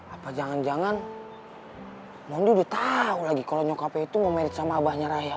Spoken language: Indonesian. apa jangan jangan mon udah tau lagi kalau nyokapnya itu mau married sama abahnya rayaf